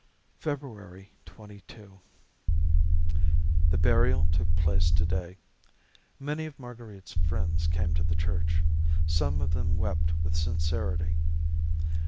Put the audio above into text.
February 22. The burial took place to day. Many of Marguerite's friends came to the church. Some of them wept with sincerity.